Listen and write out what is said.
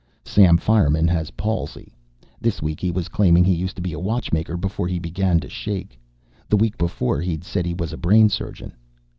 Sam Fireman has palsy. This week he was claiming he used to be a watchmaker before he began to shake. The week before, he'd said he was a brain surgeon.